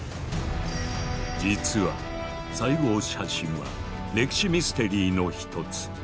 実は「西郷写真」は歴史ミステリーの一つ。